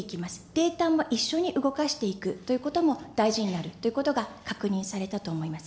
データも一緒に動かしていくということも大事になるということが確認されたと思います。